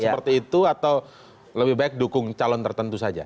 seperti itu atau lebih baik dukung calon tertentu saja